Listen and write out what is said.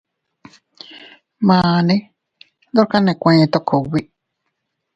Mane ndorka nee kueeto kugbi.